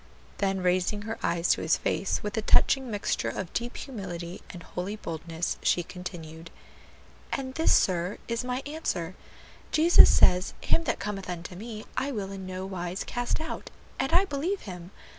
'" Then raising her eyes to his face with a touching mixture of deep humility and holy boldness, she continued, "And this, sir is my answer: Jesus says, 'Him that cometh unto me, I will in no wise cast out;' and I believe Him.